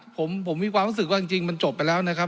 ผมมีความรู้สึกว่าจริงมันจบไปแล้วนะครับ